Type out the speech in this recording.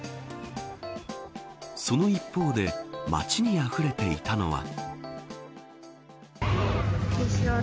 その一方で街にあふれていたのは。